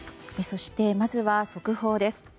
そして、まずは速報です。